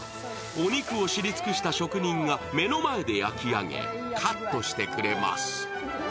お肉を知り尽くした職人が目の前で焼き上げ、カットしてくれます。